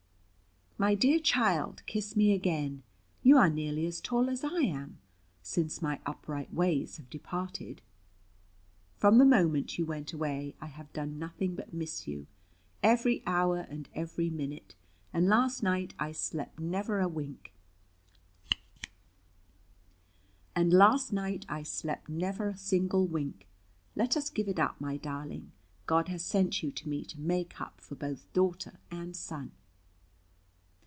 "My dear child, kiss me again. You are nearly as tall as I am, since my upright ways have departed. From the moment you went away, I have done nothing but miss you, every hour and every minute; and last night I slept never a single wink. Let us give it up, my darling. God has sent you to me to make up for both daughter and son."